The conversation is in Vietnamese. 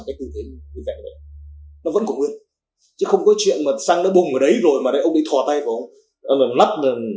nó vẫn còn nguyên chứ không có chuyện mà xăng đã bùng ở đấy rồi mà ông ấy thò tay vào nắp cái bình xăng ấy lại được